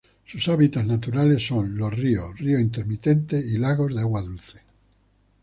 Sus hábitats naturales son: los ríos, ríos intermitentes y lagos de agua dulce.